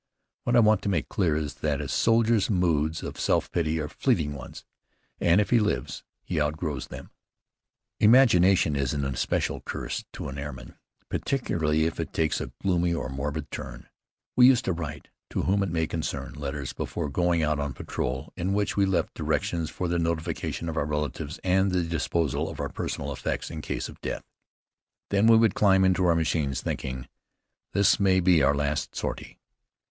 What I want to make clear is, that a soldier's moods of self pity are fleeting ones, and if he lives, he outgrows them. Imagination is an especial curse to an airman, particularly if it takes a gloomy or morbid turn. We used to write "To whom it may concern" letters before going out on patrol, in which we left directions for the notification of our relatives and the disposal of our personal effects in case of death. Then we would climb into our machines thinking, "This may be our last sortie.